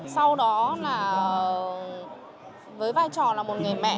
sau đó là với vai trò là một người mẹ